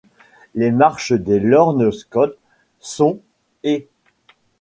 Les marches des Lorne Scots sont ' et '.